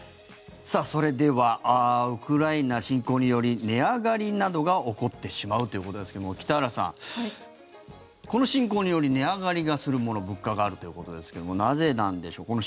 それではウクライナ侵攻により値上がりなどが起こってしまうということですけども北原さん、この侵攻により値上がりがするもの物価があるということですけどもなぜなんでしょう。